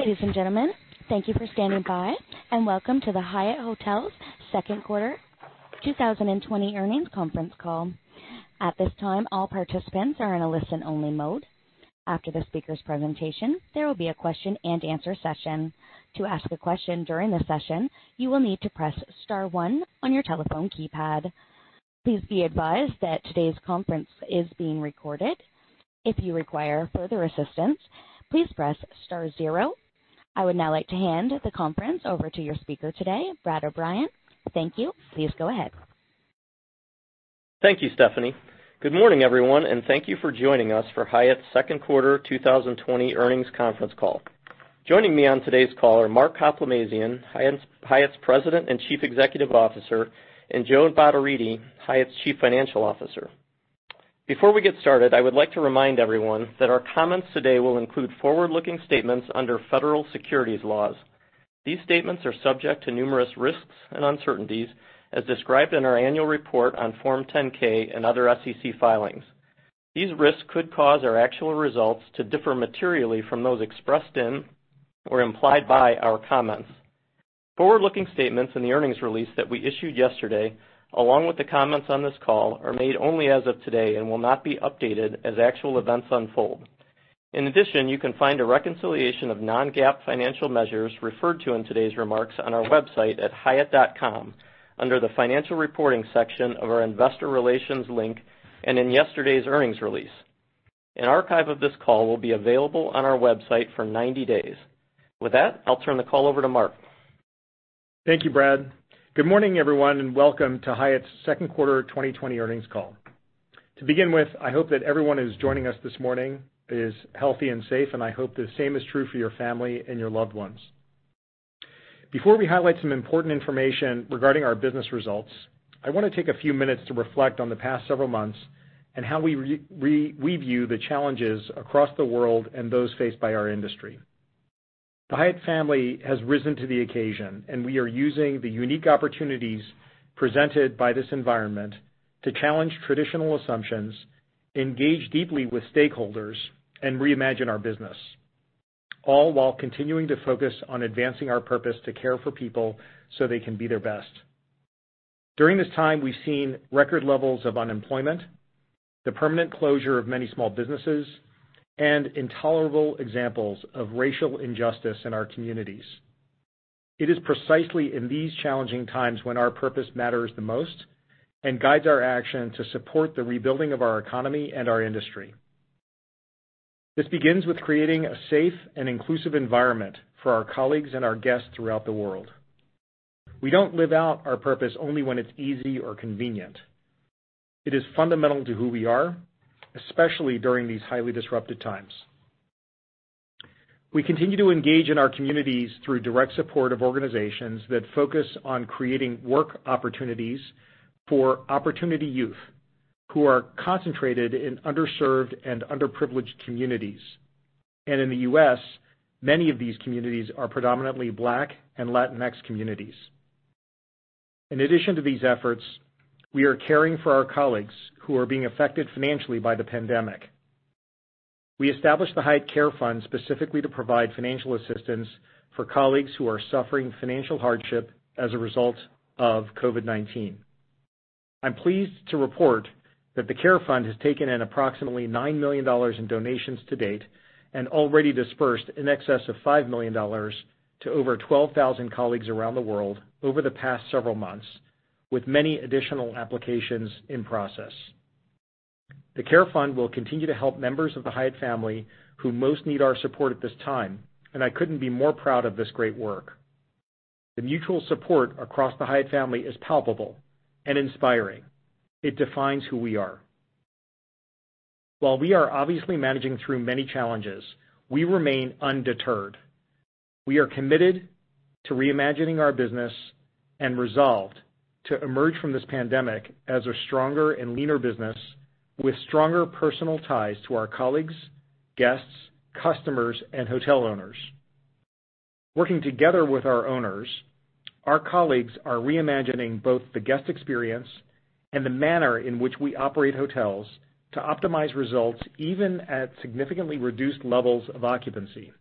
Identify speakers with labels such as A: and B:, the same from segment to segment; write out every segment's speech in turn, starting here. A: Ladies and gentlemen, thank you for standing by, and welcome to the Hyatt Hotels second quarter 2020 earnings conference call. At this time, all participants are in a listen-only mode. After the speaker's presentation, there will be a question-and-answer session. To ask a question during the session, you will need to press star one on your telephone keypad. Please be advised that today's conference is being recorded. If you require further assistance, please press star zero. I would now like to hand the conference over to your speaker today, Brad O'Bryan. Thank you. Please go ahead..
B: Thank you, Stephanie. Good morning, everyone, and thank you for joining us for Hyatt's second quarter 2020 earnings conference call. Joining me on today's call are Mark Hoplamazian, Hyatt's President and Chief Executive Officer, and Joan Bottarini, Hyatt's Chief Financial Officer. Before we get started, I would like to remind everyone that our comments today will include forward-looking statements under federal securities laws. These statements are subject to numerous risks and uncertainties, as described in our annual report on Form 10-K and other SEC filings. These risks could cause our actual results to differ materially from those expressed in or implied by our comments. Forward-looking statements in the earnings release that we issued yesterday, along with the comments on this call, are made only as of today and will not be updated as actual events unfold. In addition, you can find a reconciliation of non-GAAP financial measures referred to in today's remarks on our website at hyatt.com under the financial reporting section of our investor relations link and in yesterday's earnings release. An archive of this call will be available on our website for 90 days. With that, I'll turn the call over to Mark.
C: Thank you, Brad. Good morning, everyone, and welcome to Hyatt's second quarter 2020 earnings call. To begin with, I hope that everyone who's joining us this morning is healthy and safe, and I hope the same is true for your family and your loved ones. Before we highlight some important information regarding our business results, I want to take a few minutes to reflect on the past several months and how we review the challenges across the world and those faced by our industry. The Hyatt family has risen to the occasion, and we are using the unique opportunities presented by this environment to challenge traditional assumptions, engage deeply with stakeholders, and re-imagine our business, all while continuing to focus on advancing our purpose to care for people so they can be their best. During this time, we've seen record levels of unemployment, the permanent closure of many small businesses, and intolerable examples of racial injustice in our communities. It is precisely in these challenging times when our purpose matters the most and guides our action to support the rebuilding of our economy and our industry. This begins with creating a safe and inclusive environment for our colleagues and our guests throughout the world. We do not live out our purpose only when it's easy or convenient. It is fundamental to who we are, especially during these highly disrupted times. We continue to engage in our communities through direct support of organizations that focus on creating work opportunities for opportunity youth who are concentrated in underserved and underprivileged communities. In the U.S., many of these communities are predominantly Black and Latinx communities. In addition to these efforts, we are caring for our colleagues who are being affected financially by the pandemic. We established the Hyatt Care Fund specifically to provide financial assistance for colleagues who are suffering financial hardship as a result of COVID-19. I'm pleased to report that the Care Fund has taken in approximately $9 million in donations to date and already disbursed in excess of $5 million to over 12,000 colleagues around the world over the past several months, with many additional applications in process. The Care Fund will continue to help members of the Hyatt family who most need our support at this time, and I couldn't be more proud of this great work. The mutual support across the Hyatt family is palpable and inspiring. It defines who we are. While we are obviously managing through many challenges, we remain undeterred. We are committed to re-imagining our business and resolved to emerge from this pandemic as a stronger and leaner business with stronger personal ties to our colleagues, guests, customers, and hotel owners. Working together with our owners, our colleagues are re-imagining both the guest experience and the manner in which we operate hotels to optimize results even at significantly reduced levels of occupancy.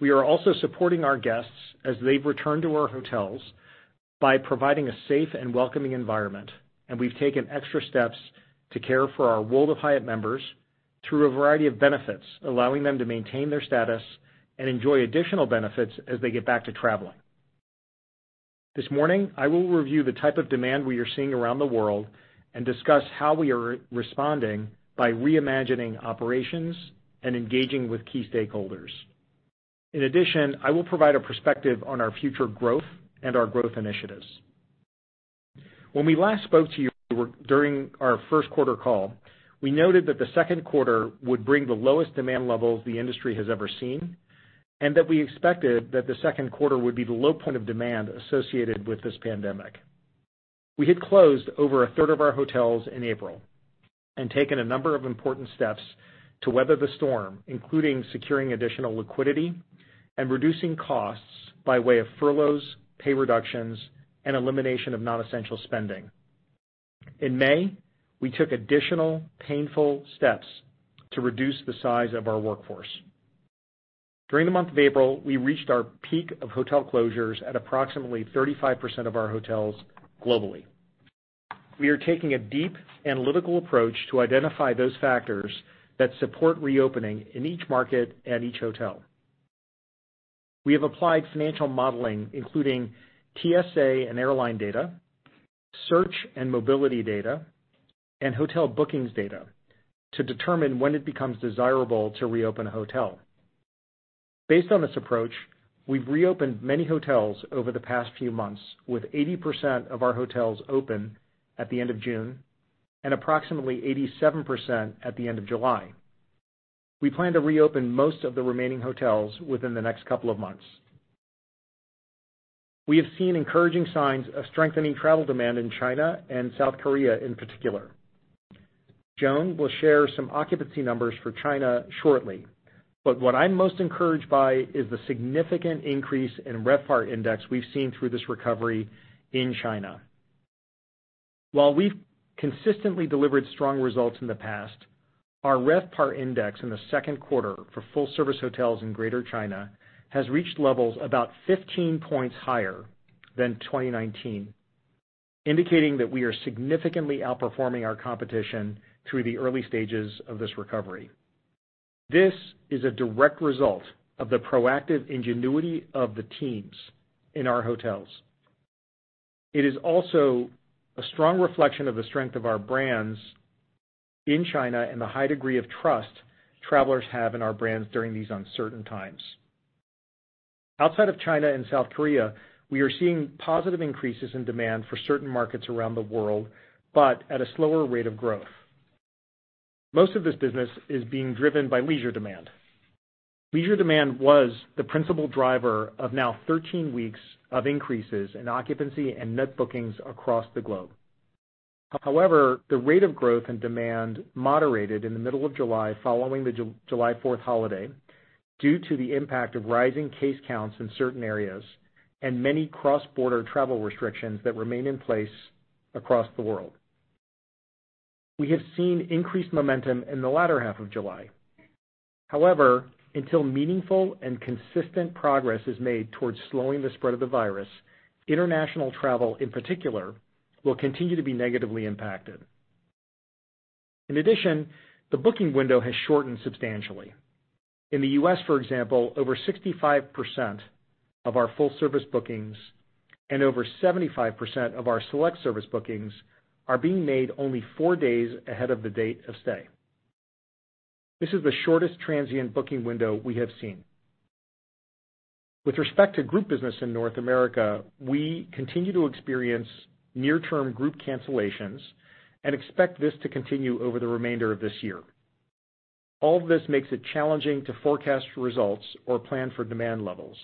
C: We are also supporting our guests as they've returned to our hotels by providing a safe and welcoming environment, and we've taken extra steps to care for our World of Hyatt members through a variety of benefits, allowing them to maintain their status and enjoy additional benefits as they get back to traveling. This morning, I will review the type of demand we are seeing around the world and discuss how we are responding by re-imagining operations and engaging with key stakeholders. In addition, I will provide a perspective on our future growth and our growth initiatives. When we last spoke to you during our first quarter call, we noted that the second quarter would bring the lowest demand levels the industry has ever seen and that we expected that the second quarter would be the low point of demand associated with this pandemic. We had closed over a third of our hotels in April and taken a number of important steps to weather the storm, including securing additional liquidity and reducing costs by way of furloughs, pay reductions, and elimination of non-essential spending. In May, we took additional painful steps to reduce the size of our workforce. During the month of April, we reached our peak of hotel closures at approximately 35% of our hotels globally. We are taking a deep analytical approach to identify those factors that support reopening in each market and each hotel. We have applied financial modeling, including TSA and airline data, search and mobility data, and hotel bookings data to determine when it becomes desirable to reopen a hotel. Based on this approach, we've reopened many hotels over the past few months, with 80% of our hotels open at the end of June and approximately 87% at the end of July. We plan to reopen most of the remaining hotels within the next couple of months. We have seen encouraging signs of strengthening travel demand in China and South Korea in particular. Joan will share some occupancy numbers for China shortly, but what I'm most encouraged by is the significant increase in RevPAR index we've seen through this recovery in China. While we've consistently delivered strong results in the past, our RevPAR index in the second quarter for full-service hotels in Greater China has reached levels about 15 points higher than 2019, indicating that we are significantly outperforming our competition through the early stages of this recovery. This is a direct result of the proactive ingenuity of the teams in our hotels. It is also a strong reflection of the strength of our brands in China and the high degree of trust travelers have in our brands during these uncertain times. Outside of China and South Korea, we are seeing positive increases in demand for certain markets around the world, but at a slower rate of growth. Most of this business is being driven by leisure demand. Leisure demand was the principal driver of now 13 weeks of increases in occupancy and net bookings across the globe. However, the rate of growth and demand moderated in the middle of July following the July 4th holiday due to the impact of rising case counts in certain areas and many cross-border travel restrictions that remain in place across the world. We have seen increased momentum in the latter half of July. However, until meaningful and consistent progress is made towards slowing the spread of the virus, international travel in particular will continue to be negatively impacted. In addition, the booking window has shortened substantially. In the U.S., for example, over 65% of our full-service bookings and over 75% of our select service bookings are being made only four days ahead of the date of stay. This is the shortest transient booking window we have seen. With respect to group business in North America, we continue to experience near-term group cancellations and expect this to continue over the remainder of this year. All of this makes it challenging to forecast results or plan for demand levels,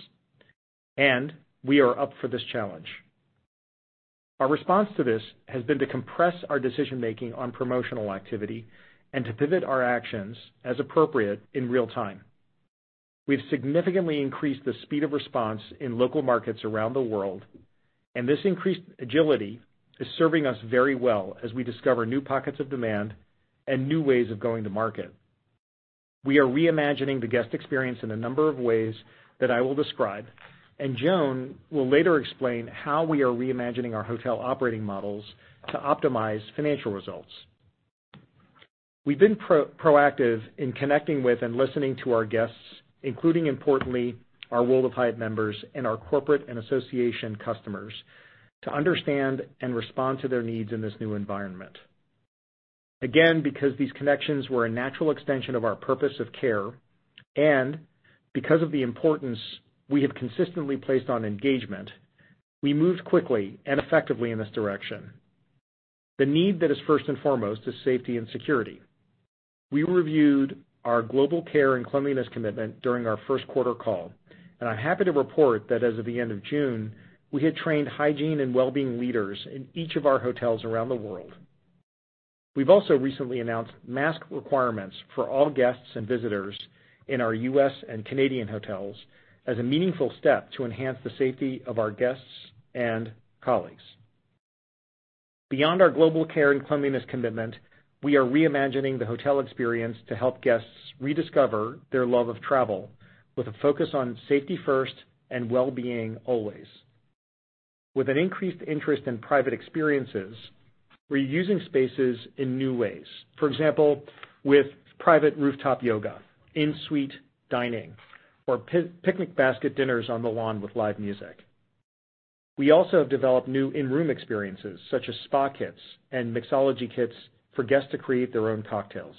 C: and we are up for this challenge. Our response to this has been to compress our decision-making on promotional activity and to pivot our actions as appropriate in real time. We've significantly increased the speed of response in local markets around the world, and this increased agility is serving us very well as we discover new pockets of demand and new ways of going to market. We are re-imagining the guest experience in a number of ways that I will describe, and Joan will later explain how we are re-imagining our hotel operating models to optimize financial results. We've been proactive in connecting with and listening to our guests, including, importantly, our World of Hyatt members and our corporate and association customers, to understand and respond to their needs in this new environment. Again, because these connections were a natural extension of our purpose of care and because of the importance we have consistently placed on engagement, we moved quickly and effectively in this direction. The need that is first and foremost is safety and security. We reviewed our global care and cleanliness commitment during our first quarter call, and I'm happy to report that as of the end of June, we had trained hygiene and well-being leaders in each of our hotels around the world. We've also recently announced mask requirements for all guests and visitors in our U.S. and Canadian hotels as a meaningful step to enhance the safety of our guests and colleagues. Beyond our global care and cleanliness commitment, we are re-imagining the hotel experience to help guests rediscover their love of travel with a focus on safety first and well-being always. With an increased interest in private experiences, we're using spaces in new ways. For example, with private rooftop yoga, in-suite dining, or picnic basket dinners on the lawn with live music. We also have developed new in-room experiences such as spa kits and mixology kits for guests to create their own cocktails.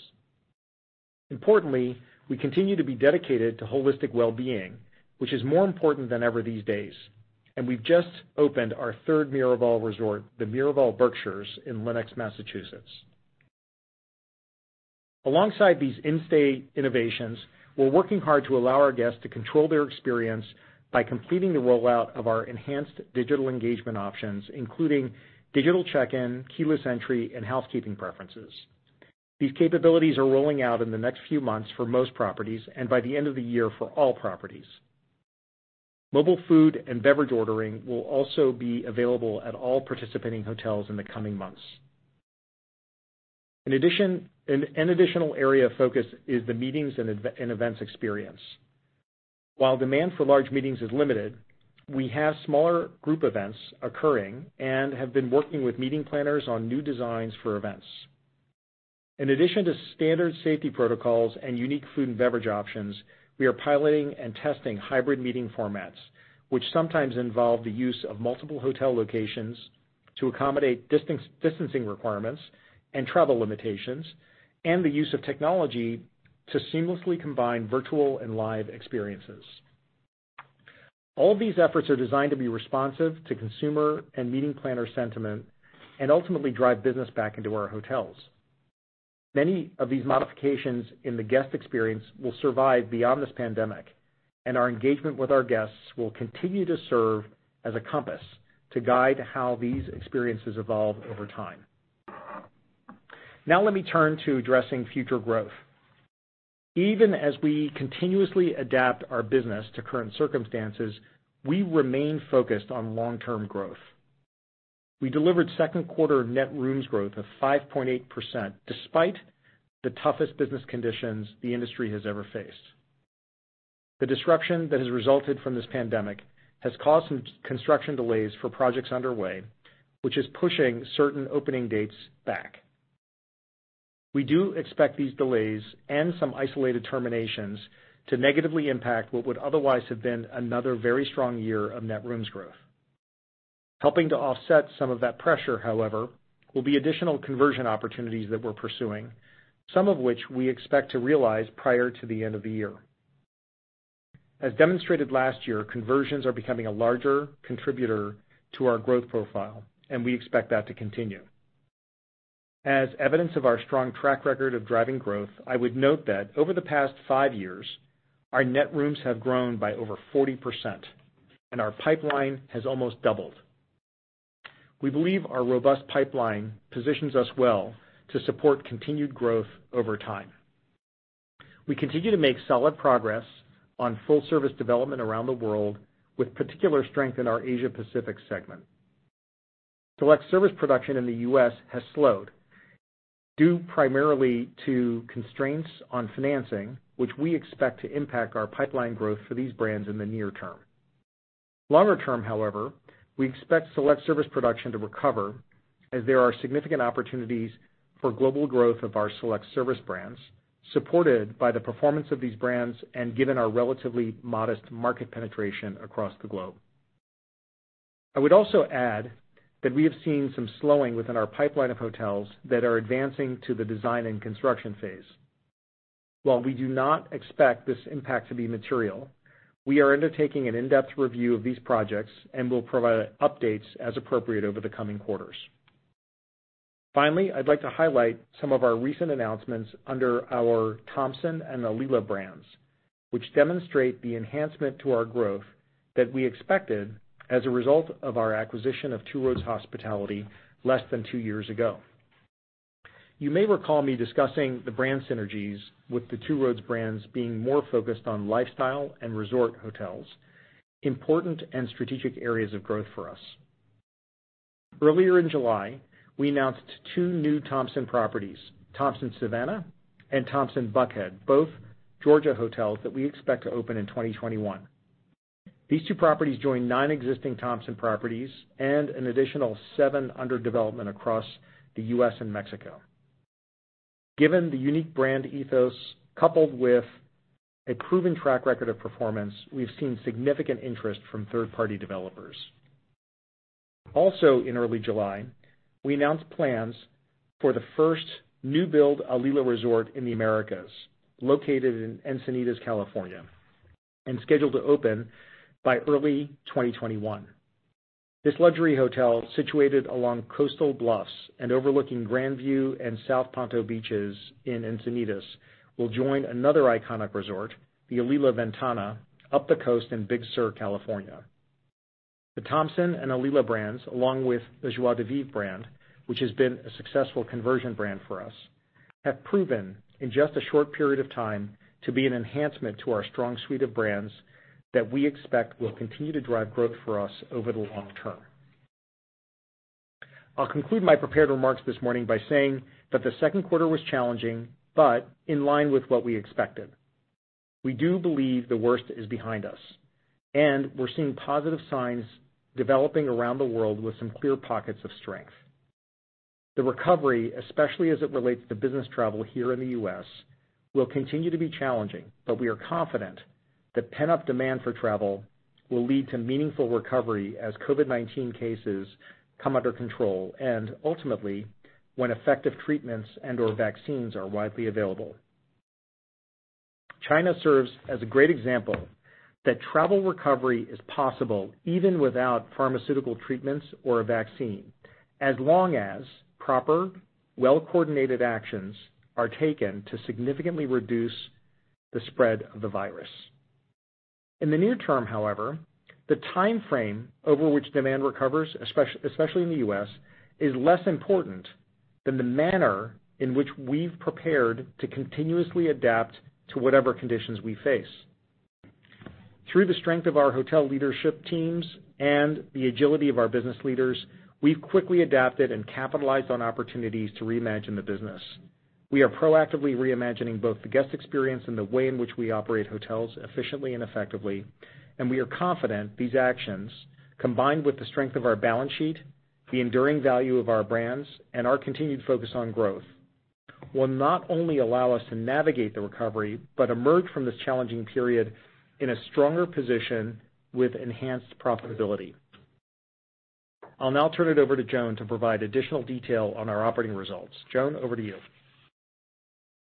C: Importantly, we continue to be dedicated to holistic well-being, which is more important than ever these days, and we've just opened our third Miraval resort, the Miraval Berkshires, in Lenox, Massachusetts. Alongside these in-state innovations, we're working hard to allow our guests to control their experience by completing the rollout of our enhanced digital engagement options, including digital check-in, keyless entry, and housekeeping preferences. These capabilities are rolling out in the next few months for most properties and by the end of the year for all properties. Mobile food and beverage ordering will also be available at all participating hotels in the coming months. In addition, an additional area of focus is the meetings and events experience. While demand for large meetings is limited, we have smaller group events occurring and have been working with meeting planners on new designs for events. In addition to standard safety protocols and unique food and beverage options, we are piloting and testing hybrid meeting formats, which sometimes involve the use of multiple hotel locations to accommodate distancing requirements and travel limitations and the use of technology to seamlessly combine virtual and live experiences. All of these efforts are designed to be responsive to consumer and meeting planner sentiment and ultimately drive business back into our hotels. Many of these modifications in the guest experience will survive beyond this pandemic, and our engagement with our guests will continue to serve as a compass to guide how these experiences evolve over time. Now let me turn to addressing future growth. Even as we continuously adapt our business to current circumstances, we remain focused on long-term growth. We delivered second quarter net rooms growth of 5.8% despite the toughest business conditions the industry has ever faced. The disruption that has resulted from this pandemic has caused some construction delays for projects underway, which is pushing certain opening dates back. We do expect these delays and some isolated terminations to negatively impact what would otherwise have been another very strong year of net rooms growth. Helping to offset some of that pressure, however, will be additional conversion opportunities that we're pursuing, some of which we expect to realize prior to the end of the year. As demonstrated last year, conversions are becoming a larger contributor to our growth profile, and we expect that to continue. As evidence of our strong track record of driving growth, I would note that over the past five years, our net rooms have grown by over 40%, and our pipeline has almost doubled. We believe our robust pipeline positions us well to support continued growth over time. We continue to make solid progress on full-service development around the world, with particular strength in our Asia-Pacific segment. Select service production in the U.S. has slowed due primarily to constraints on financing, which we expect to impact our pipeline growth for these brands in the near term. Longer term, however, we expect select service production to recover as there are significant opportunities for global growth of our select service brands, supported by the performance of these brands and given our relatively modest market penetration across the globe. I would also add that we have seen some slowing within our pipeline of hotels that are advancing to the design and construction phase. While we do not expect this impact to be material, we are undertaking an in-depth review of these projects and will provide updates as appropriate over the coming quarters. Finally, I'd like to highlight some of our recent announcements under our Thompson and Alila brands, which demonstrate the enhancement to our growth that we expected as a result of our acquisition of Two Roads Hospitality less than two years ago. You may recall me discussing the brand synergies with the Two Roads brands being more focused on lifestyle and resort hotels, important and strategic areas of growth for us. Earlier in July, we announced two new Thompson properties, Thompson Savannah and Thompson Buckhead, both Georgia hotels that we expect to open in 2021. These two properties join nine existing Thompson properties and an additional seven under development across the U.S. and Mexico. Given the unique brand ethos coupled with a proven track record of performance, we've seen significant interest from third-party developers. Also, in early July, we announced plans for the first new-build Alila Resort in the Americas, located in Encinitas, California, and scheduled to open by early 2021. This luxury hotel, situated along coastal bluffs and overlooking GrandView and South Ponto Beaches in Encinitas, will join another iconic resort, the Alila Ventana, up the coast in Big Sur, California. The Thompson and Alila brands, along with the Joie de Vivre brand, which has been a successful conversion brand for us, have proven in just a short period of time to be an enhancement to our strong suite of brands that we expect will continue to drive growth for us over the long term. I'll conclude my prepared remarks this morning by saying that the second quarter was challenging, but in line with what we expected. We do believe the worst is behind us, and we're seeing positive signs developing around the world with some clear pockets of strength. The recovery, especially as it relates to business travel here in the U.S., will continue to be challenging, but we are confident that pent-up demand for travel will lead to meaningful recovery as COVID-19 cases come under control and ultimately when effective treatments and/or vaccines are widely available. China serves as a great example that travel recovery is possible even without pharmaceutical treatments or a vaccine, as long as proper, well-coordinated actions are taken to significantly reduce the spread of the virus. In the near term, however, the timeframe over which demand recovers, especially in the U.S., is less important than the manner in which we've prepared to continuously adapt to whatever conditions we face. Through the strength of our hotel leadership teams and the agility of our business leaders, we've quickly adapted and capitalized on opportunities to reimagine the business. We are proactively reimagining both the guest experience and the way in which we operate hotels efficiently and effectively, and we are confident these actions, combined with the strength of our balance sheet, the enduring value of our brands, and our continued focus on growth, will not only allow us to navigate the recovery but emerge from this challenging period in a stronger position with enhanced profitability. I'll now turn it over to Joan to provide additional detail on our operating results. Joan, over to you.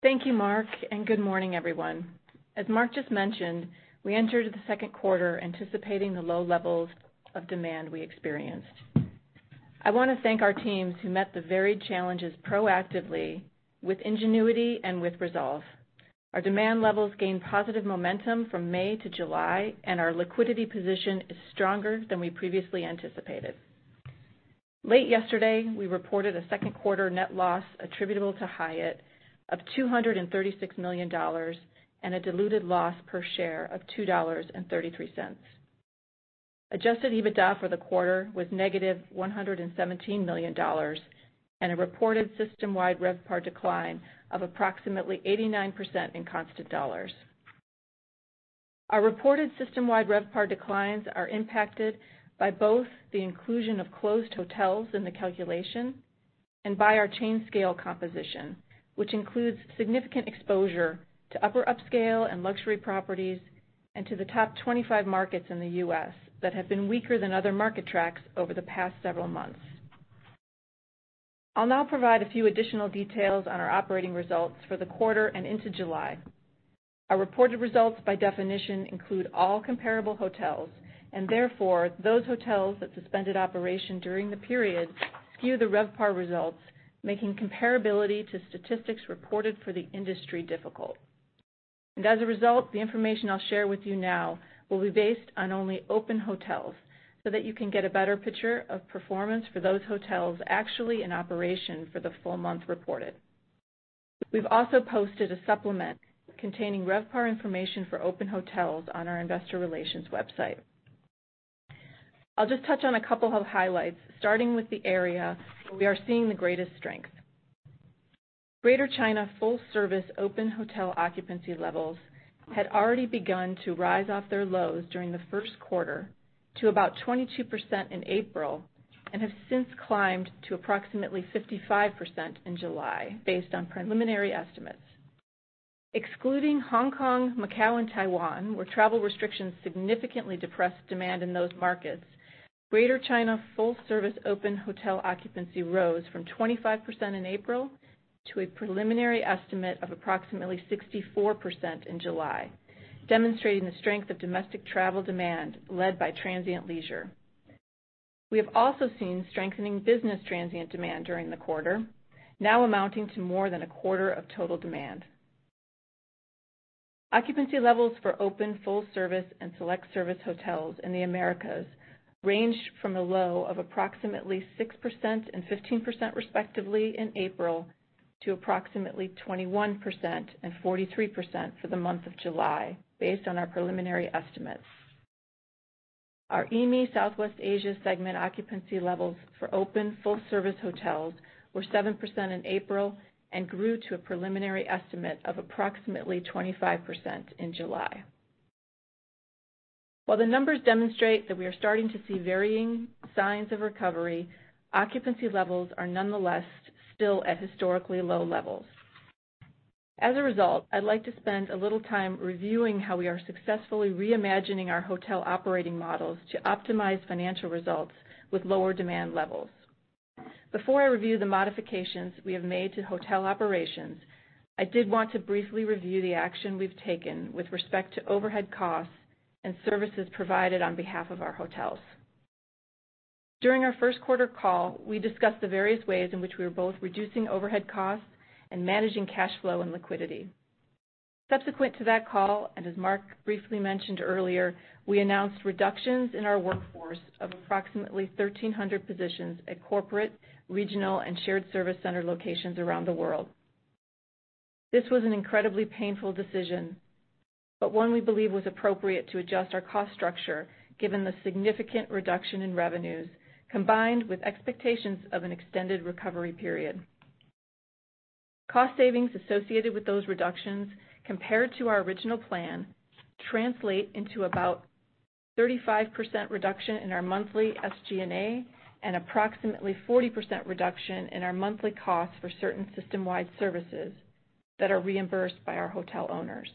D: Thank you, Mark, and good morning, everyone. As Mark just mentioned, we entered the second quarter anticipating the low levels of demand we experienced. I want to thank our teams who met the varied challenges proactively with ingenuity and with resolve. Our demand levels gained positive momentum from May to July, and our liquidity position is stronger than we previously anticipated. Late yesterday, we reported a second quarter net loss attributable to Hyatt of $236 million and a diluted loss per share of $2.33. Adjusted EBITDA for the quarter was negative $117 million and a reported system-wide RevPAR decline of approximately 89% in constant dollars. Our reported system-wide RevPAR declines are impacted by both the inclusion of closed hotels in the calculation and by our chain scale composition, which includes significant exposure to upper upscale and luxury properties and to the top 25 markets in the U.S. that have been weaker than other market tracks over the past several months. I'll now provide a few additional details on our operating results for the quarter and into July. Our reported results, by definition, include all comparable hotels, and therefore those hotels that suspended operation during the period skew the RevPAR results, making comparability to statistics reported for the industry difficult. As a result, the information I'll share with you now will be based on only open hotels so that you can get a better picture of performance for those hotels actually in operation for the full month reported. We've also posted a supplement containing RevPAR information for open hotels on our investor relations website. I'll just touch on a couple of highlights, starting with the area where we are seeing the greatest strength. Greater China full-service open hotel occupancy levels had already begun to rise off their lows during the first quarter to about 22% in April and have since climbed to approximately 55% in July based on preliminary estimates. Excluding Hong Kong, Macao, and Taiwan, where travel restrictions significantly depressed demand in those markets, Greater China full-service open hotel occupancy rose from 25% in April to a preliminary estimate of approximately 64% in July, demonstrating the strength of domestic travel demand led by transient leisure. We have also seen strengthening business transient demand during the quarter, now amounting to more than a quarter of total demand. Occupancy levels for open full-service and select service hotels in the Americas ranged from a low of approximately 6% and 15% respectively in April to approximately 21% and 43% for the month of July based on our preliminary estimates. Our EME Southwest Asia segment occupancy levels for open full-service hotels were 7% in April and grew to a preliminary estimate of approximately 25% in July. While the numbers demonstrate that we are starting to see varying signs of recovery, occupancy levels are nonetheless still at historically low levels. As a result, I'd like to spend a little time reviewing how we are successfully reimagining our hotel operating models to optimize financial results with lower demand levels. Before I review the modifications we have made to hotel operations, I did want to briefly review the action we've taken with respect to overhead costs and services provided on behalf of our hotels. During our first quarter call, we discussed the various ways in which we were both reducing overhead costs and managing cash flow and liquidity. Subsequent to that call, and as Mark briefly mentioned earlier, we announced reductions in our workforce of approximately 1,300 positions at corporate, regional, and shared service center locations around the world. This was an incredibly painful decision, but one we believe was appropriate to adjust our cost structure given the significant reduction in revenues combined with expectations of an extended recovery period. Cost savings associated with those reductions compared to our original plan translate into about 35% reduction in our monthly SG&A and approximately 40% reduction in our monthly costs for certain system-wide services that are reimbursed by our hotel owners.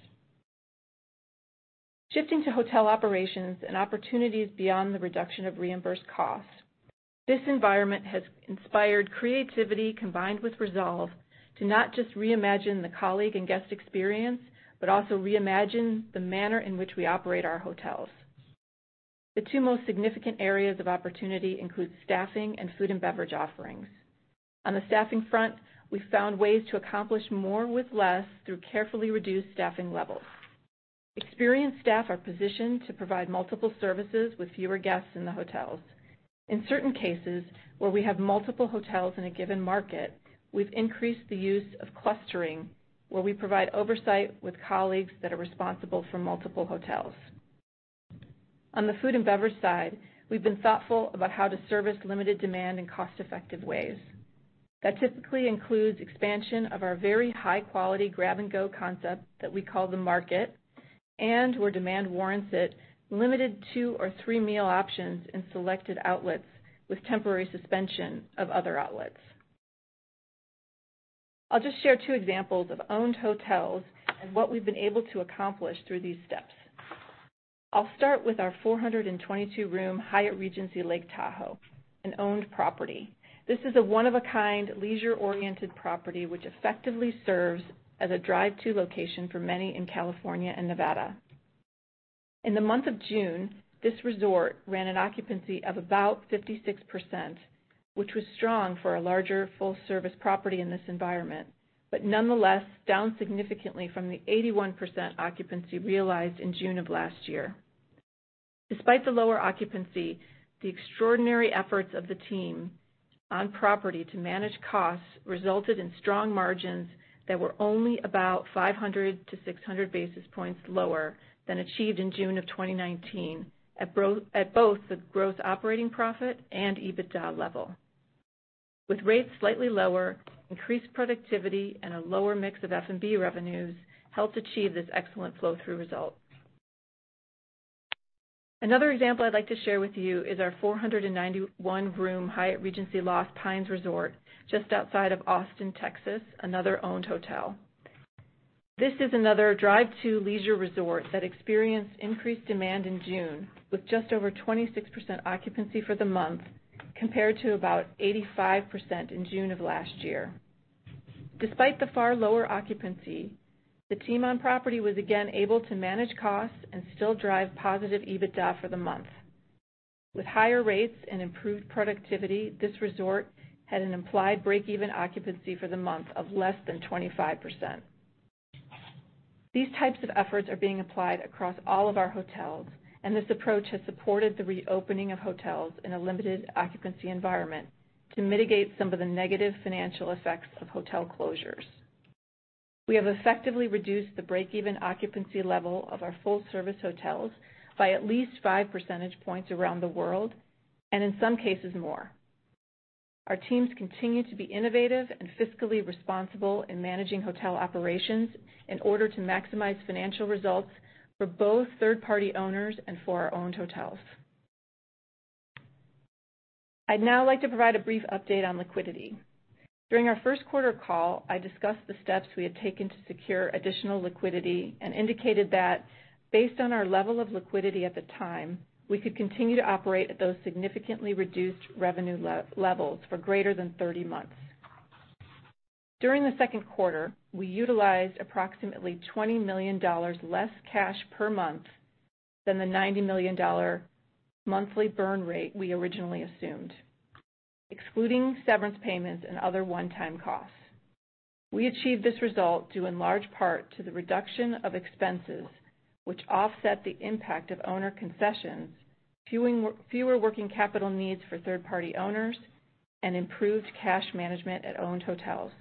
D: Shifting to hotel operations and opportunities beyond the reduction of reimbursed costs, this environment has inspired creativity combined with resolve to not just reimagine the colleague and guest experience, but also reimagine the manner in which we operate our hotels. The two most significant areas of opportunity include staffing and food and beverage offerings. On the staffing front, we found ways to accomplish more with less through carefully reduced staffing levels. Experienced staff are positioned to provide multiple services with fewer guests in the hotels. In certain cases where we have multiple hotels in a given market, we've increased the use of clustering where we provide oversight with colleagues that are responsible for multiple hotels. On the food and beverage side, we've been thoughtful about how to service limited demand in cost-effective ways. That typically includes expansion of our very high-quality grab-and-go concept that we call the market, and where demand warrants it, limited two or three meal options in selected outlets with temporary suspension of other outlets. I'll just share two examples of owned hotels and what we've been able to accomplish through these steps. I'll start with our 422-room Hyatt Regency Lake Tahoe, an owned property. This is a one-of-a-kind leisure-oriented property which effectively serves as a drive-thru location for many in California and Nevada. In the month of June, this resort ran an occupancy of about 56%, which was strong for a larger full-service property in this environment, but nonetheless down significantly from the 81% occupancy realized in June of last year. Despite the lower occupancy, the extraordinary efforts of the team on property to manage costs resulted in strong margins that were only about 500-600 basis points lower than achieved in June of 2019 at both the gross operating profit and EBITDA level. With rates slightly lower, increased productivity, and a lower mix of F&B revenues helped achieve this excellent flow-through result. Another example I'd like to share with you is our 491-room Hyatt Regency Lost Pines Resort just outside of Austin, Texas, another owned hotel. This is another drive-through leisure resort that experienced increased demand in June with just over 26% occupancy for the month compared to about 85% in June of last year. Despite the far lower occupancy, the team on property was again able to manage costs and still drive positive EBITDA for the month. With higher rates and improved productivity, this resort had an implied break-even occupancy for the month of less than 25%. These types of efforts are being applied across all of our hotels, and this approach has supported the reopening of hotels in a limited occupancy environment to mitigate some of the negative financial effects of hotel closures. We have effectively reduced the break-even occupancy level of our full-service hotels by at least 5 percentage points around the world and in some cases more. Our teams continue to be innovative and fiscally responsible in managing hotel operations in order to maximize financial results for both third-party owners and for our owned hotels. I'd now like to provide a brief update on liquidity. During our first quarter call, I discussed the steps we had taken to secure additional liquidity and indicated that based on our level of liquidity at the time, we could continue to operate at those significantly reduced revenue levels for greater than 30 months. During the second quarter, we utilized approximately $20 million less cash per month than the $90 million monthly burn rate we originally assumed, excluding severance payments and other one-time costs. We achieved this result due in large part to the reduction of expenses, which offset the impact of owner concessions, fewer working capital needs for third-party owners, and improved cash management at owned hotels.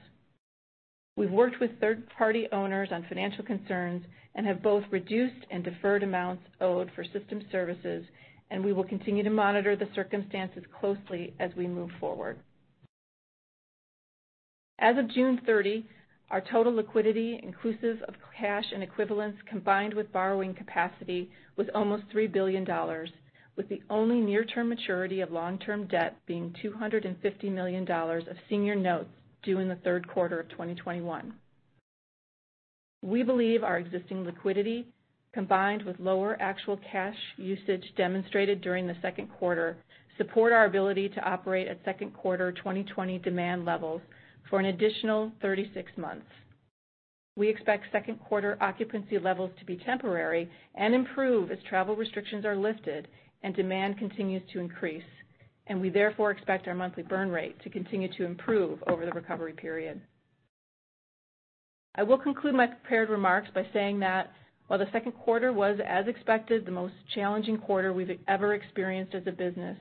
D: We've worked with third-party owners on financial concerns and have both reduced and deferred amounts owed for system services, and we will continue to monitor the circumstances closely as we move forward. As of June 30, our total liquidity, inclusive of cash and equivalents combined with borrowing capacity, was almost $3 billion, with the only near-term maturity of long-term debt being $250 million of senior notes due in the third quarter of 2021. We believe our existing liquidity, combined with lower actual cash usage demonstrated during the second quarter, supports our ability to operate at second quarter 2020 demand levels for an additional 36 months. We expect second quarter occupancy levels to be temporary and improve as travel restrictions are lifted and demand continues to increase, and we therefore expect our monthly burn rate to continue to improve over the recovery period. I will conclude my prepared remarks by saying that while the second quarter was, as expected, the most challenging quarter we've ever experienced as a business,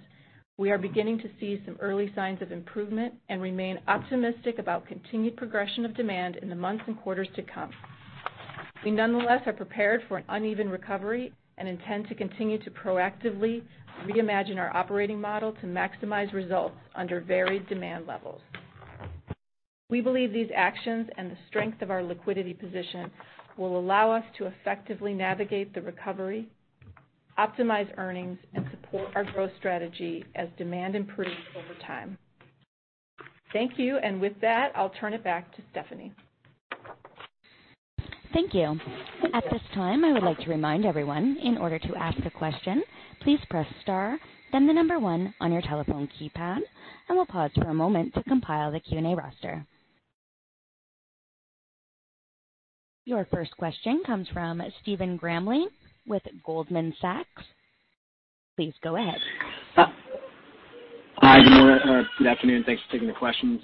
D: we are beginning to see some early signs of improvement and remain optimistic about continued progression of demand in the months and quarters to come. We nonetheless are prepared for an uneven recovery and intend to continue to proactively reimagine our operating model to maximize results under varied demand levels. We believe these actions and the strength of our liquidity position will allow us to effectively navigate the recovery, optimize earnings, and support our growth strategy as demand improves over time. Thank you, and with that, I'll turn it back to Stephanie. Thank you.
A: At this time, I would like to remind everyone, in order to ask a question, please press star, then the number one on your telephone keypad, and we'll pause for a moment to compile the Q&A roster. Your first question comes from Stephen Grambling with Goldman Sachs. Please go ahead.
E: Hi, good morning. Good afternoon. Thanks for taking the questions.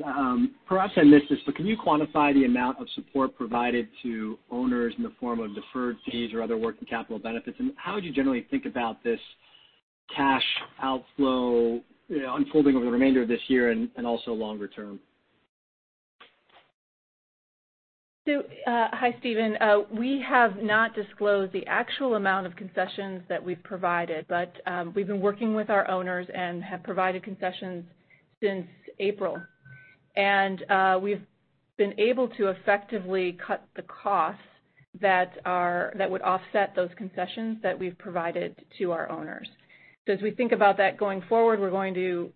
E: Perhaps I missed this, but can you quantify the amount of support provided to owners in the form of deferred fees or other working capital benefits? How would you generally think about this cash outflow unfolding over the remainder of this year and also longer term?
D: Hi, Stephen. We have not disclosed the actual amount of concessions that we've provided, but we've been working with our owners and have provided concessions since April. We've been able to effectively cut the costs that would offset those concessions that we've provided to our owners. As we think about that going forward, we're going to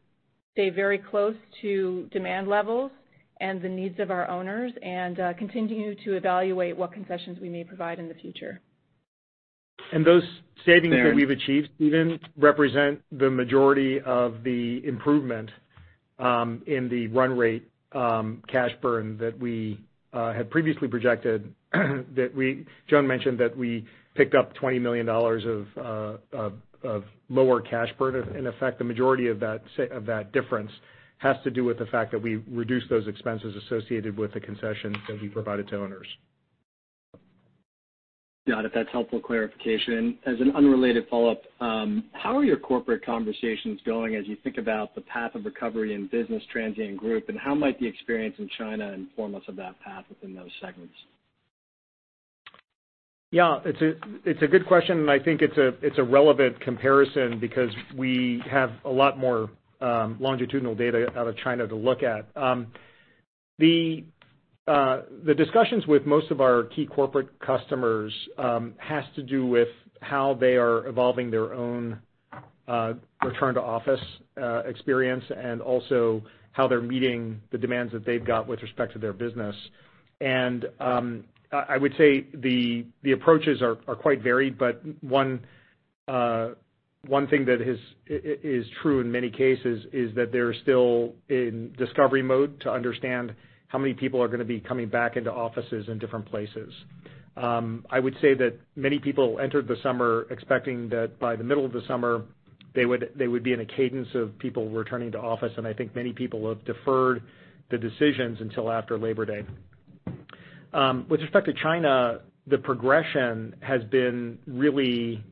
D: stay very close to demand levels and the needs of our owners and continue to evaluate what concessions we may provide in the future.
C: Those savings that we have achieved, Stephen, represent the majority of the improvement in the run rate cash burn that we had previously projected. We, Joan mentioned that we picked up $20 million of lower cash burn. In effect, the majority of that difference has to do with the fact that we reduced those expenses associated with the concessions that we provided to owners.
E: Joan, if that's helpful clarification. As an unrelated follow-up, how are your corporate conversations going as you think about the path of recovery in business transient group, and how might the experience in China inform us of that path within those segments?
C: Yeah, it's a good question, and I think it's a relevant comparison because we have a lot more longitudinal data out of China to look at. The discussions with most of our key corporate customers have to do with how they are evolving their own return-to-office experience and also how they're meeting the demands that they've got with respect to their business. I would say the approaches are quite varied, but one thing that is true in many cases is that they're still in discovery mode to understand how many people are going to be coming back into offices in different places. I would say that many people entered the summer expecting that by the middle of the summer, they would be in a cadence of people returning to office, and I think many people have deferred the decisions until after Labor Day. With respect to China, the progression has been really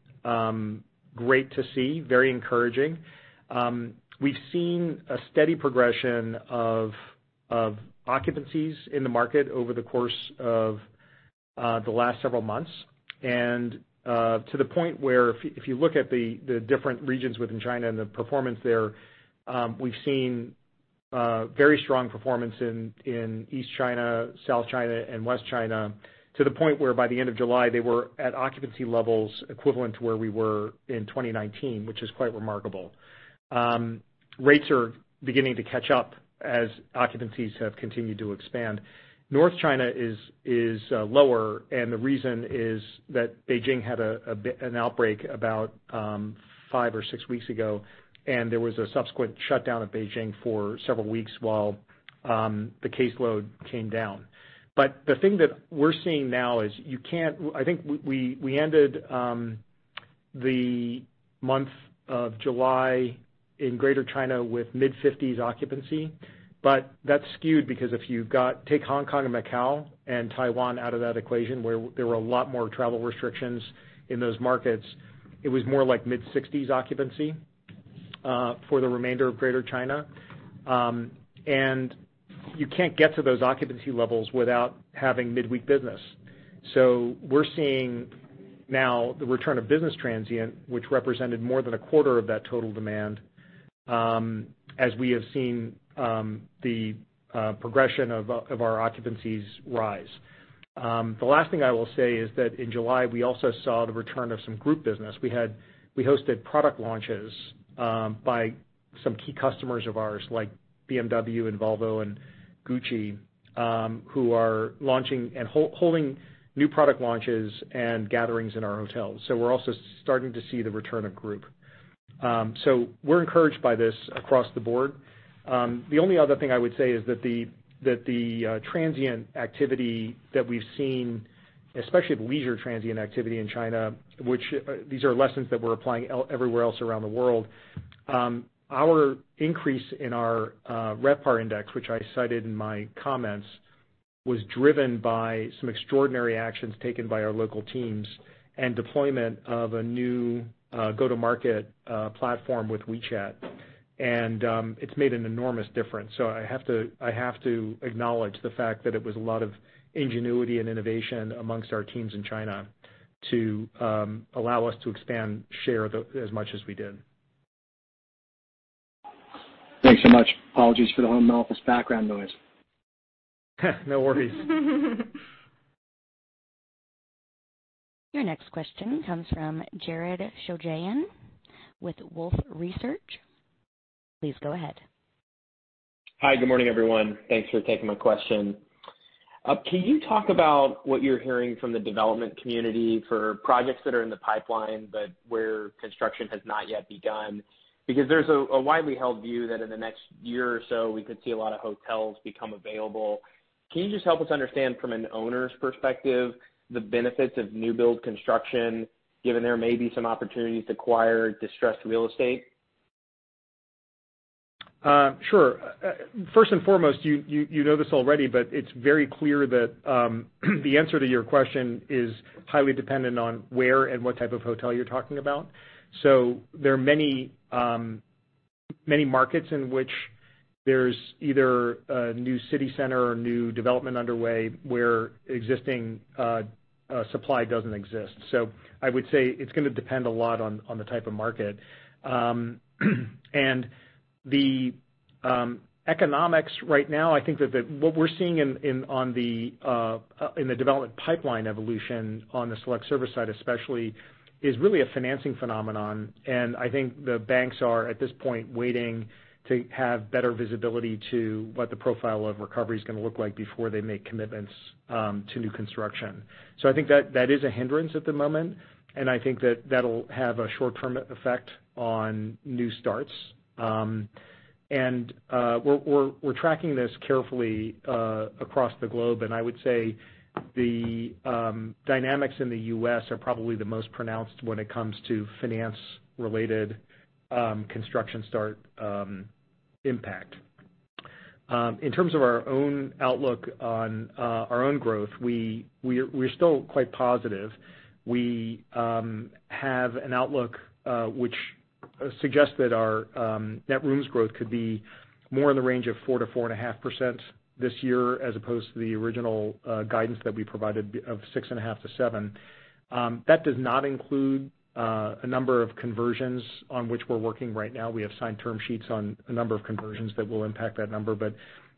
C: great to see, very encouraging. We've seen a steady progression of occupancies in the market over the course of the last several months, and to the point where if you look at the different regions within China and the performance there, we've seen very strong performance in East China, South China, and West China, to the point where by the end of July, they were at occupancy levels equivalent to where we were in 2019, which is quite remarkable. Rates are beginning to catch up as occupancies have continued to expand. North China is lower, and the reason is that Beijing had an outbreak about five or six weeks ago, and there was a subsequent shutdown of Beijing for several weeks while the caseload came down. The thing that we're seeing now is you can't, I think we ended the month of July in Greater China with mid-50s occupancy, but that's skewed because if you take Hong Kong and Macao and Taiwan out of that equation, where there were a lot more travel restrictions in those markets, it was more like mid-60s occupancy for the remainder of Greater China. You can't get to those occupancy levels without having mid-week business. We're seeing now the return of business transient, which represented more than a quarter of that total demand as we have seen the progression of our occupancies rise. The last thing I will say is that in July, we also saw the return of some group business. We hosted product launches by some key customers of ours, like BMW and Volvo and Gucci, who are launching and holding new product launches and gatherings in our hotels. We are also starting to see the return of group. We are encouraged by this across the board. The only other thing I would say is that the transient activity that we have seen, especially the leisure transient activity in China, which these are lessons that we are applying everywhere else around the world, our increase in our RevPAR index, which I cited in my comments, was driven by some extraordinary actions taken by our local teams and deployment of a new go-to-market platform with WeChat. It has made an enormous difference. I have to acknowledge the fact that it was a lot of ingenuity and innovation amongst our teams in China to allow us to expand share as much as we did.
E: Thanks so much.
A: Your next question comes from Jared Shojaian with Wolfe Research. Please go ahead.
F: Hi, good morning, everyone. Thanks for taking my question. Can you talk about what you're hearing from the development community for projects that are in the pipeline, but where construction has not yet begun? Because there's a widely held view that in the next year or so, we could see a lot of hotels become available. Can you just help us understand from an owner's perspective the benefits of new-build construction, given there may be some opportunities to acquire distressed real estate?
C: Sure. First and foremost, you know this already, but it's very clear that the answer to your question is highly dependent on where and what type of hotel you're talking about. There are many markets in which there's either a new city center or new development underway where existing supply doesn't exist. I would say it's going to depend a lot on the type of market. The economics right now, I think that what we're seeing in the development pipeline evolution on the select service side, especially, is really a financing phenomenon. I think the banks are at this point waiting to have better visibility to what the profile of recovery is going to look like before they make commitments to new construction. I think that is a hindrance at the moment, and I think that that'll have a short-term effect on new starts. We're tracking this carefully across the globe, and I would say the dynamics in the U.S. are probably the most pronounced when it comes to finance-related construction start impact. In terms of our own outlook on our own growth, we're still quite positive. We have an outlook which suggests that our net rooms growth could be more in the range of 4%-4.5% this year as opposed to the original guidance that we provided of 6.5%-7%. That does not include a number of conversions on which we're working right now. We have signed term sheets on a number of conversions that will impact that number, but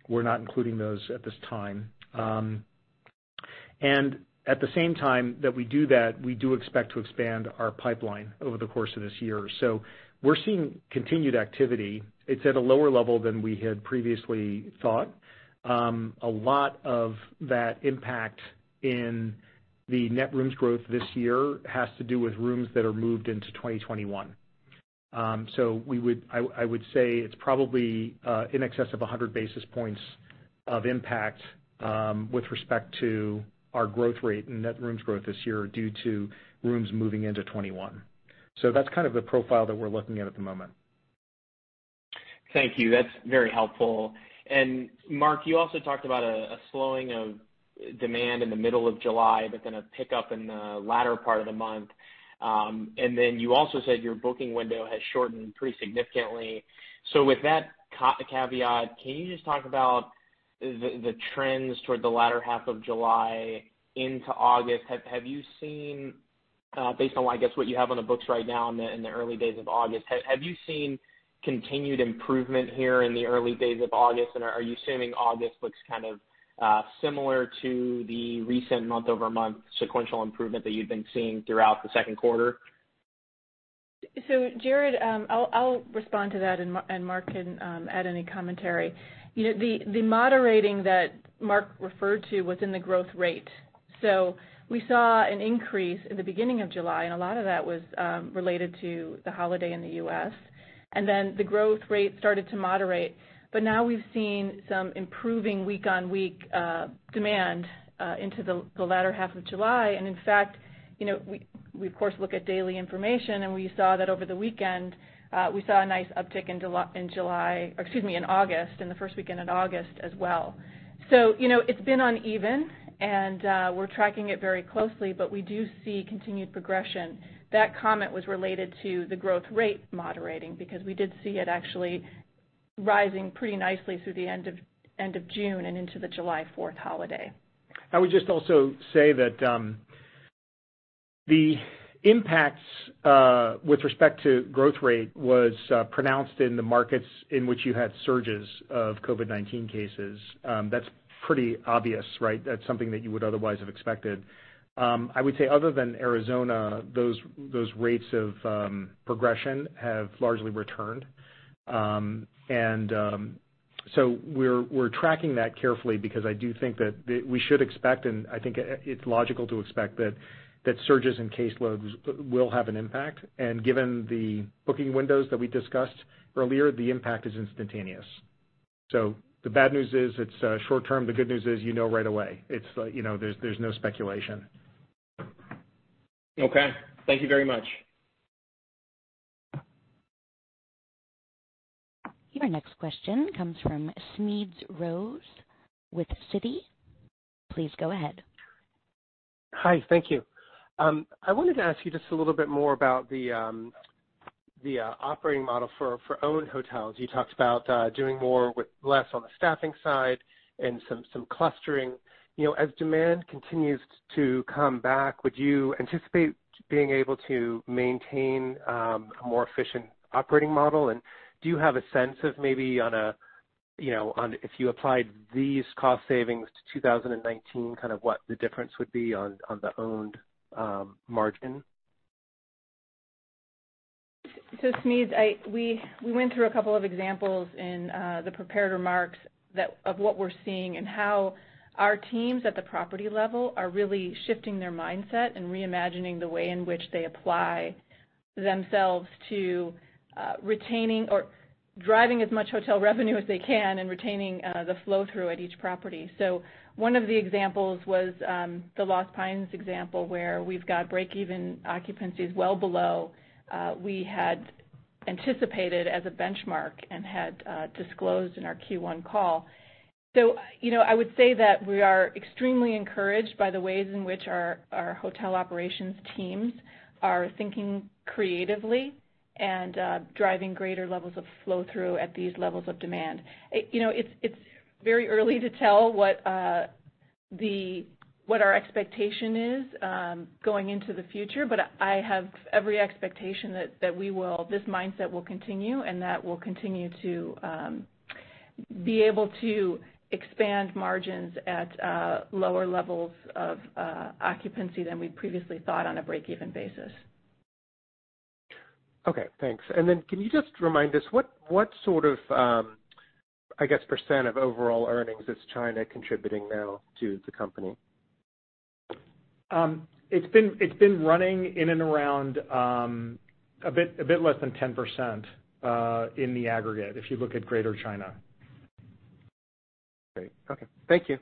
C: we're not including those at this time. At the same time that we do that, we do expect to expand our pipeline over the course of this year. We're seeing continued activity. It's at a lower level than we had previously thought. A lot of that impact in the net rooms growth this year has to do with rooms that are moved into 2021. I would say it's probably in excess of 100 basis points of impact with respect to our growth rate and net rooms growth this year due to rooms moving into 2021. That's kind of the profile that we're looking at at the moment.
F: Thank you. That's very helpful. Mark, you also talked about a slowing of demand in the middle of July, but then a pickup in the latter part of the month. You also said your booking window has shortened pretty significantly. With that caveat, can you just talk about the trends toward the latter half of July into August? Have you seen, based on what you have on the books right now in the early days of August, have you seen continued improvement here in the early days of August? Are you assuming August looks kind of similar to the recent month-over-month sequential improvement that you've been seeing throughout the second quarter?
D: Jared, I'll respond to that, and Mark can add any commentary. The moderating that Mark referred to was in the growth rate. We saw an increase in the beginning of July, and a lot of that was related to the holiday in the U.S. The growth rate started to moderate, but now we've seen some improving week-on-week demand into the latter half of July. In fact, we, of course, look at daily information, and we saw that over the weekend, we saw a nice uptick in July or, excuse me, in August, in the first weekend in August as well. It has been uneven, and we're tracking it very closely, but we do see continued progression. That comment was related to the growth rate moderating because we did see it actually rising pretty nicely through the end of June and into the July 4th holiday.
C: I would just also say that the impacts with respect to growth rate were pronounced in the markets in which you had surges of COVID-19 cases. That is pretty obvious, right? That is something that you would otherwise have expected. I would say other than Arizona, those rates of progression have largely returned. We are tracking that carefully because I do think that we should expect, and I think it is logical to expect that surges in caseloads will have an impact. Given the booking windows that we discussed earlier, the impact is instantaneous. The bad news is it is short-term. The good news is you know right away. There is no speculation.
F: Okay. Thank you very much.
A: Your next question comes from Smedes Rose with Citi. Please go ahead.
G: Hi, thank you. I wanted to ask you just a little bit more about the operating model for owned hotels. You talked about doing more with less on the staffing side and some clustering. As demand continues to come back, would you anticipate being able to maintain a more efficient operating model? Do you have a sense of maybe on a, if you applied these cost savings to 2019, kind of what the difference would be on the owned margin?
D: Smedes, we went through a couple of examples in the prepared remarks of what we're seeing and how our teams at the property level are really shifting their mindset and reimagining the way in which they apply themselves to retaining or driving as much hotel revenue as they can and retaining the flow-through at each property. One of the examples was the Lost Pines example where we've got break-even occupancies well below what we had anticipated as a benchmark and had disclosed in our Q1 call. I would say that we are extremely encouraged by the ways in which our hotel operations teams are thinking creatively and driving greater levels of flow-through at these levels of demand. It's very early to tell what our expectation is going into the future, but I have every expectation that this mindset will continue and that we'll continue to be able to expand margins at lower levels of occupancy than we previously thought on a break-even basis.
G: Okay. Thanks. Can you just remind us what sort of, I guess, percent of overall earnings is China contributing now to the company?
C: It's been running in and around a bit less than 10% in the aggregate if you look at Greater China.
G: Great. Okay. Thank you.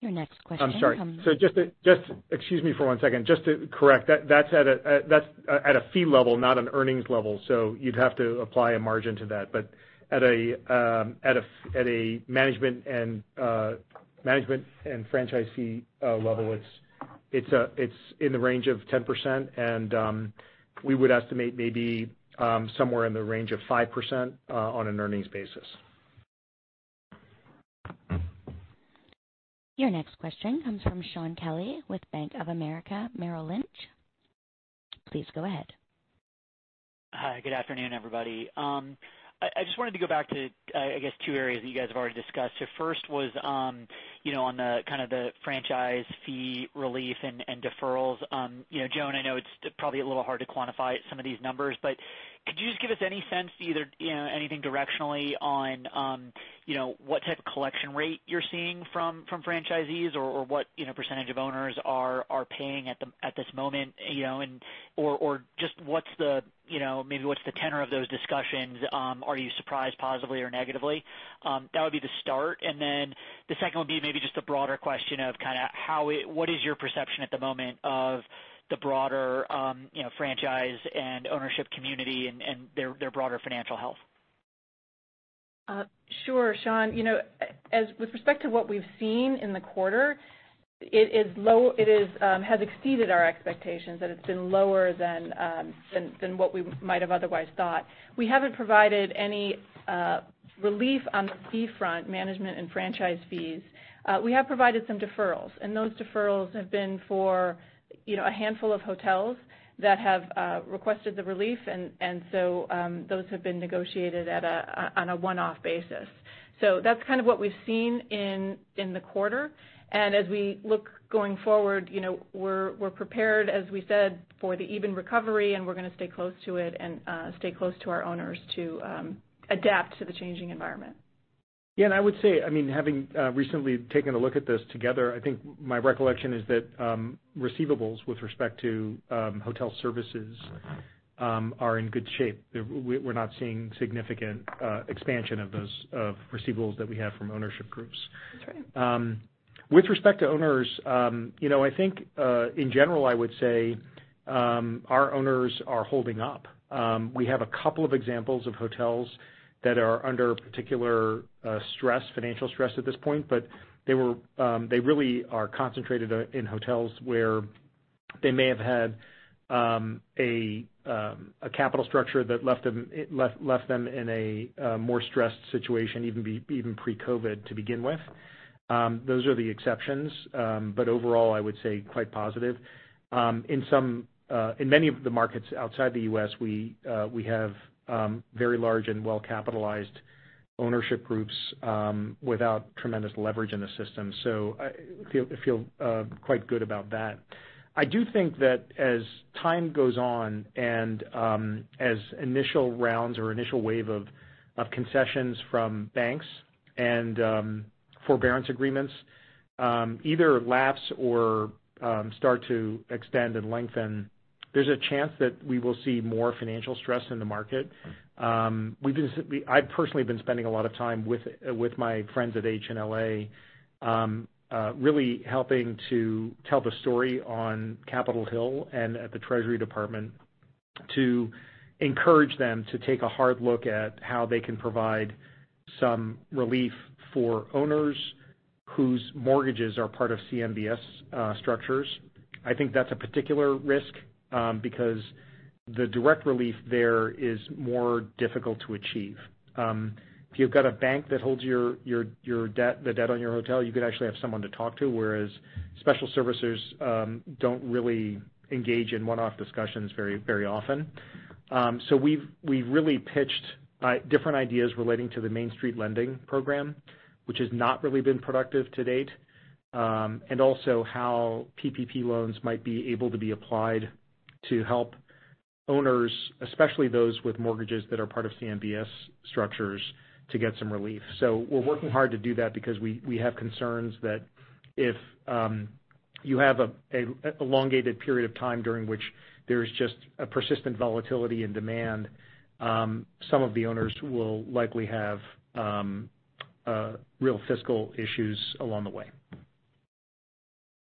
A: Your next question comes.
C: I'm sorry. Just excuse me for one second. Just to correct, that's at a fee level, not an earnings level. You'd have to apply a margin to that. At a management and franchisee level, it's in the range of 10%, and we would estimate maybe somewhere in the range of 5% on an earnings basis.
A: Your next question comes from Shaun Kelley with Bank of America Merrill Lynch. Please go ahead.
H: Hi. Good afternoon, everybody. I just wanted to go back to, I guess, two areas that you guys have already discussed. First was on the kind of the franchise fee relief and deferrals. Joan, I know it's probably a little hard to quantify some of these numbers, but could you just give us any sense, either anything directionally on what type of collection rate you're seeing from franchisees or what percentage of owners are paying at this moment or just maybe what's the tenor of those discussions? Are you surprised positively or negatively? That would be the start. The second would be maybe just a broader question of kind of what is your perception at the moment of the broader franchise and ownership community and their broader financial health?
D: Sure, Shaun. With respect to what we've seen in the quarter, it has exceeded our expectations that it's been lower than what we might have otherwise thought. We haven't provided any relief on the fee front, management and franchise fees. We have provided some deferrals, and those deferrals have been for a handful of hotels that have requested the relief, and those have been negotiated on a one-off basis. That's kind of what we've seen in the quarter. As we look going forward, we're prepared, as we said, for the even recovery, and we're going to stay close to it and stay close to our owners to adapt to the changing environment.
C: Yeah. I would say, I mean, having recently taken a look at this together, I think my recollection is that receivables with respect to hotel services are in good shape. We're not seeing significant expansion of receivables that we have from ownership groups. With respect to owners, I think in general, I would say our owners are holding up. We have a couple of examples of hotels that are under particular stress, financial stress at this point, but they really are concentrated in hotels where they may have had a capital structure that left them in a more stressed situation even pre-COVID to begin with. Those are the exceptions, but overall, I would say quite positive. In many of the markets outside the U.S., we have very large and well-capitalized ownership groups without tremendous leverage in the system. I feel quite good about that. I do think that as time goes on and as initial rounds or initial wave of concessions from banks and forbearance agreements either lapse or start to extend and lengthen, there's a chance that we will see more financial stress in the market. I've personally been spending a lot of time with my friends at H&LA, really helping to tell the story on Capitol Hill and at the Treasury Department to encourage them to take a hard look at how they can provide some relief for owners whose mortgages are part of CMBS structures. I think that's a particular risk because the direct relief there is more difficult to achieve. If you've got a bank that holds the debt on your hotel, you could actually have someone to talk to, whereas special servicers don't really engage in one-off discussions very often. We have really pitched different ideas relating to the Main Street Lending Program, which has not really been productive to date, and also how PPP loans might be able to be applied to help owners, especially those with mortgages that are part of CMBS structures, to get some relief. We are working hard to do that because we have concerns that if you have an elongated period of time during which there is just a persistent volatility in demand, some of the owners will likely have real fiscal issues along the way.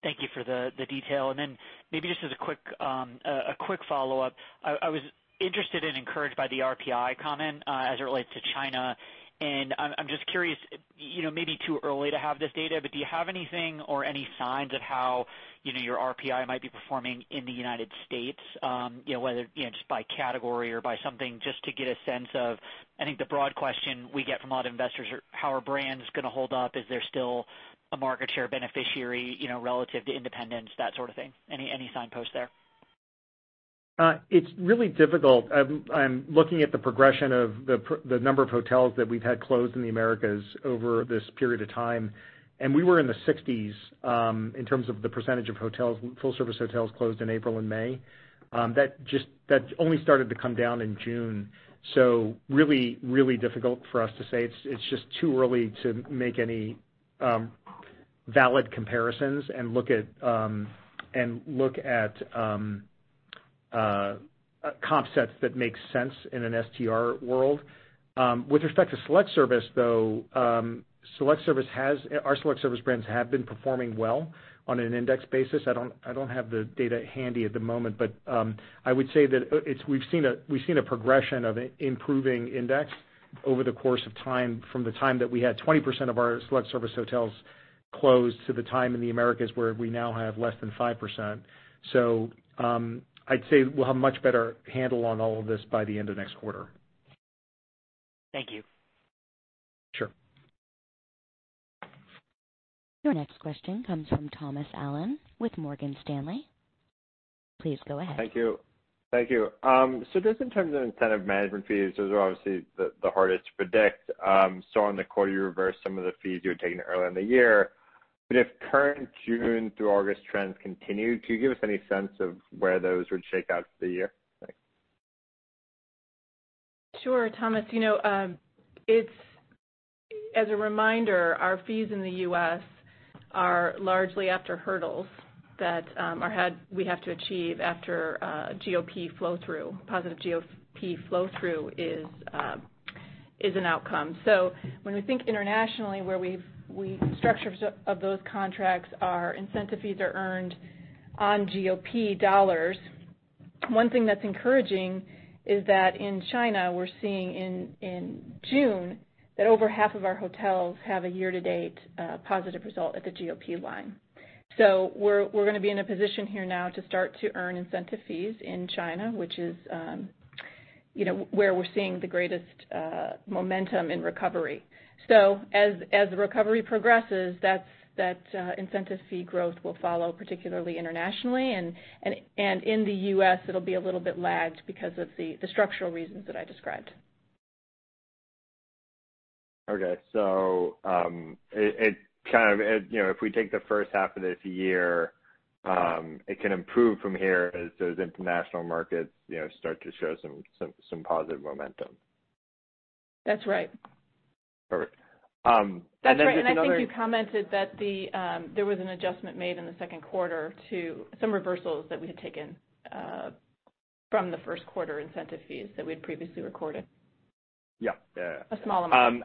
H: Thank you for the detail. Maybe just as a quick follow-up, I was interested and encouraged by the RPI comment as it relates to China. I am just curious, maybe too early to have this data, but do you have anything or any signs of how your RPI might be performing in the United States, whether just by category or by something, just to get a sense of, I think, the broad question we get from a lot of investors: how are brands going to hold up? Is there still a market share beneficiary relative to independence, that sort of thing? Any signposts there?
C: It's really difficult. I'm looking at the progression of the number of hotels that we've had closed in the Americas over this period of time. We were in the 60% in terms of the percentage of full-service hotels closed in April and May. That only started to come down in June. Really, really difficult for us to say. It's just too early to make any valid comparisons and look at comp sets that make sense in an STR world. With respect to select service, though, our select service brands have been performing well on an index basis. I don't have the data handy at the moment, but I would say that we've seen a progression of an improving index over the course of time from the time that we had 20% of our select service hotels closed to the time in the Americas where we now have less than 5%. I would say we'll have a much better handle on all of this by the end of next quarter.
H: Thank you.
C: Sure.
A: Your next question comes from Thomas Allen with Morgan Stanley. Please go ahead.
I: Thank you. Thank you. Just in terms of incentive management fees, those are obviously the hardest to predict. On the quarterly reverse, some of the fees you were taking early in the year. If current June through August trends continue, can you give us any sense of where those would shake out for the year?
D: Sure, Thomas. As a reminder, our fees in the U.S. are largely after hurdles that we have to achieve after positive GOP flow-through is an outcome. When we think internationally, where we structure those contracts, our incentive fees are earned on GOP dollars. One thing that's encouraging is that in China, we're seeing in June that over half of our hotels have a year-to-date positive result at the GOP line. We are going to be in a position here now to start to earn incentive fees in China, which is where we're seeing the greatest momentum in recovery. As the recovery progresses, that incentive fee growth will follow, particularly internationally. In the U.S., it'll be a little bit lagged because of the structural reasons that I described.
I: Okay. So kind of if we take the first half of this year, it can improve from here as those international markets start to show some positive momentum.
D: That's right.
I: Perfect. That's excellent.
D: That's right. I think you commented that there was an adjustment made in the second quarter to some reversals that we had taken from the first quarter incentive fees that we had previously recorded.
I: Yeah.
D: A small amount.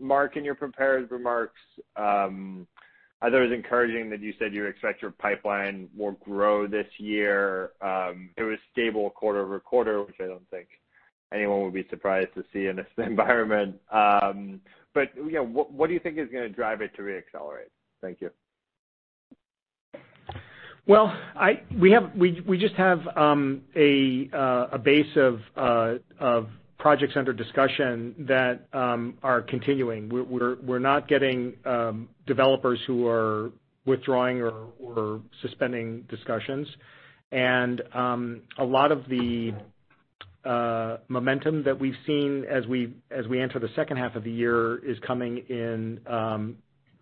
I: Mark, in your prepared remarks, I thought it was encouraging that you said you expect your pipeline will grow this year. It was stable quarter-over-quarter, which I do not think anyone would be surprised to see in this environment. What do you think is going to drive it to reaccelerate? Thank you.
C: We just have a base of projects under discussion that are continuing. We're not getting developers who are withdrawing or suspending discussions. A lot of the momentum that we've seen as we enter the second half of the year is coming in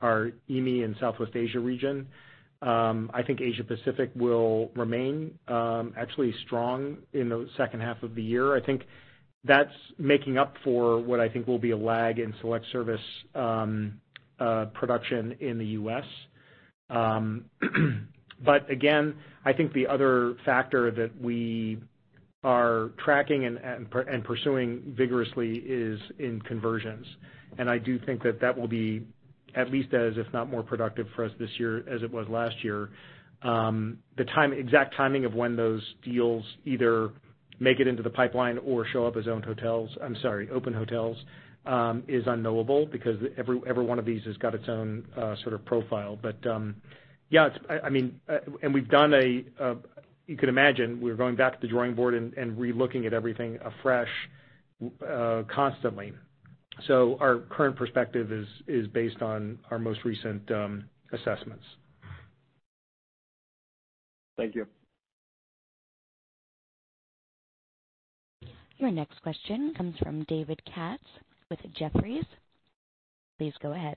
C: our EME and Southwest Asia region. I think Asia-Pacific will remain actually strong in the second half of the year. I think that's making up for what I think will be a lag in select service production in the U.S. Again, I think the other factor that we are tracking and pursuing vigorously is in conversions. I do think that that will be at least as, if not more productive for us this year as it was last year. The exact timing of when those deals either make it into the pipeline or show up as owned hotels—I'm sorry, open hotels—is unknowable because every one of these has got its own sort of profile. Yeah, I mean, and we've done a—you could imagine we're going back to the drawing board and relooking at everything afresh constantly. Our current perspective is based on our most recent assessments.
I: Thank you.
A: Your next question comes from David Katz with Jefferies. Please go ahead.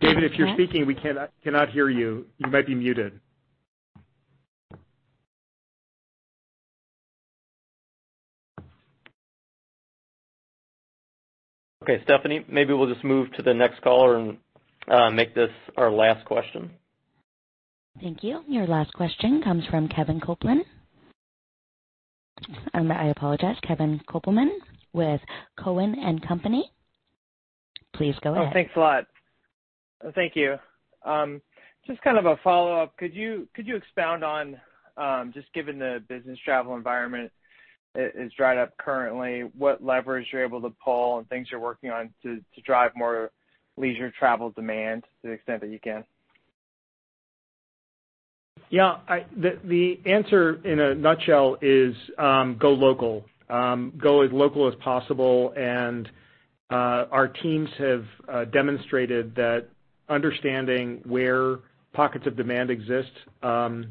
C: David, if you're speaking, we cannot hear you. You might be muted. Okay. Stephanie, maybe we'll just move to the next caller and make this our last question.
A: Thank you. Your last question comes from Kevin Kopelman. I apologize. Kevin Kopelman with Cowen & Company. Please go ahead.
J: Oh, thanks a lot. Thank you. Just kind of a follow-up. Could you expound on, just given the business travel environment is dried up currently, what levers you're able to pull and things you're working on to drive more leisure travel demand to the extent that you can?
C: Yeah. The answer in a nutshell is go local. Go as local as possible. And our teams have demonstrated that understanding where pockets of demand exist, that's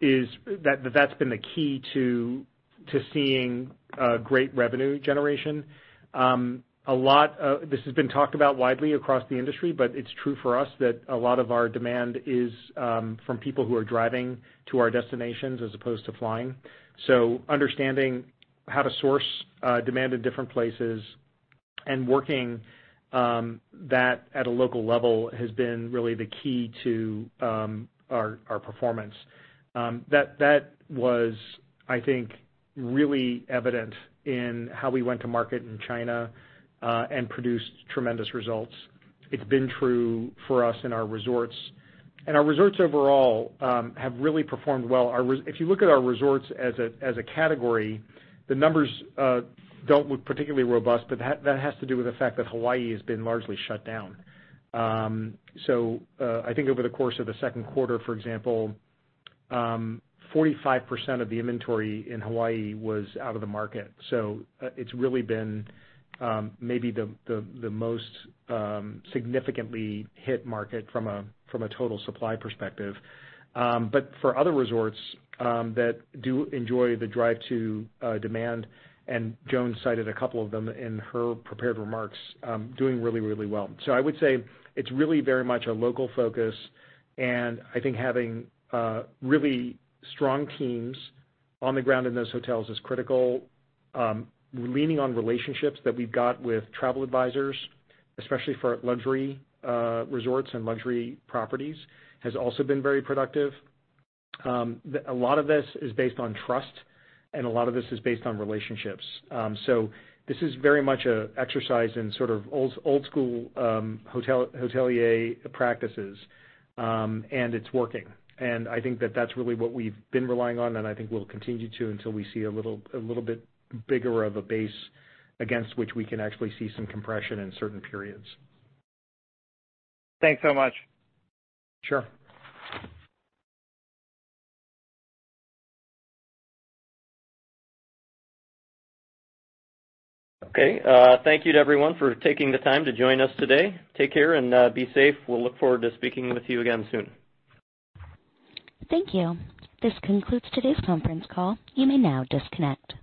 C: been the key to seeing great revenue generation. This has been talked about widely across the industry, but it's true for us that a lot of our demand is from people who are driving to our destinations as opposed to flying. So understanding how to source demand in different places and working that at a local level has been really the key to our performance. That was, I think, really evident in how we went to market in China and produced tremendous results. It's been true for us in our resorts. And our resorts overall have really performed well. If you look at our resorts as a category, the numbers do not look particularly robust, but that has to do with the fact that Hawaii has been largely shut down. I think over the course of the second quarter, for example, 45% of the inventory in Hawaii was out of the market. It has really been maybe the most significantly hit market from a total supply perspective. For other resorts that do enjoy the drive-to demand, and Joan cited a couple of them in her prepared remarks, doing really, really well. I would say it is really very much a local focus. I think having really strong teams on the ground in those hotels is critical. We are leaning on relationships that we have got with travel advisors, especially for luxury resorts and luxury properties, has also been very productive. A lot of this is based on trust, and a lot of this is based on relationships. This is very much an exercise in sort of old-school hotelier practices, and it is working. I think that that is really what we have been relying on, and I think we will continue to until we see a little bit bigger of a base against which we can actually see some compression in certain periods.
J: Thanks so much.
B: Okay. Thank you to everyone for taking the time to join us today. Take care and be safe. We'll look forward to speaking with you again soon.
A: Thank you. This concludes today's conference call. You may now disconnect.